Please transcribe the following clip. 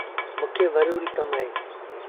موݩ کي زروري ڪم اهي۔